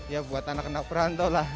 ya buat anak anak perantau lah